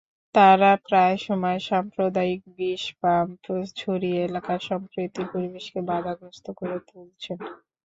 তাঁরা প্রায় সময় সাম্প্রদায়িক বিষবাষ্প ছড়িয়ে এলাকার সম্প্রীতির পরিবেশকে বাধাগ্রস্ত করে তুলছেন।